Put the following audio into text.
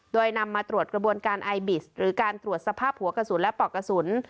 โดยนำมาตรวจกระบวนการไอบิสหรือการตรวจสภาพหัวกระสุนและปอกกระสุน